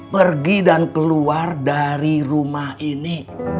pergi dan keluar dari rumah ini